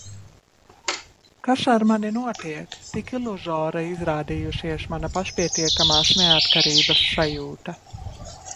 Kas ar mani notiek? Tik iluzora izrādījusies mana pašpietiekamās neatkarības sajūta.